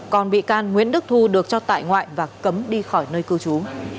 còn bị can nguyễn đức thu được cho tại ngoại và cấm đi khỏi nơi cư trú